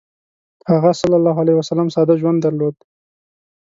هغه ﷺ ساده ژوند درلود.